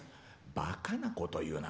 ばかなこと言うな。